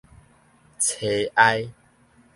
淒哀